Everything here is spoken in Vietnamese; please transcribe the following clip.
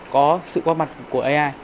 có sự qua mặt của ai